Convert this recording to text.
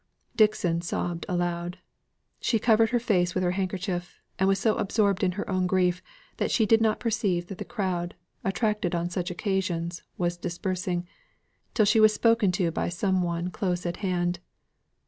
Dixon sobbed aloud; she covered her face with her handkerchief, and was so absorbed in her own grief that she did not perceive that the crowd, attracted on such occasions, was dispersing, till she was spoken to by some one close at hand.